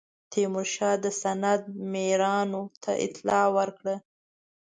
تیمورشاه د سند میرانو ته اطلاع ورکړه.